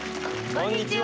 こんにちは！